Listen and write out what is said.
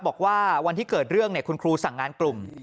บอกว่าวันที่เกิดเรื่องคุณครูสั่งงานกลุ่ม